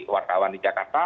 warga awan di jakarta